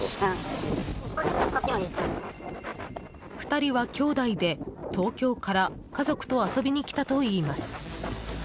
２人は兄弟で、東京から家族と遊びに来たといいます。